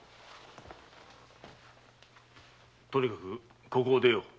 とにかくここを出よう。